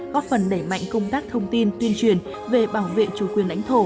góp phần đẩy mạnh công tác thông tin tuyên truyền về bảo vệ chủ quyền lãnh thổ